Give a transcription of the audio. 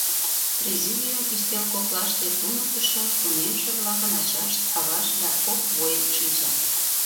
Президиум ӱстел коклаште туныктышо, тунемше-влакын ачашт, авашт да кок воин шинчат.